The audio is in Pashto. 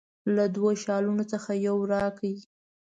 له دوه شالونو څخه یو راکړي.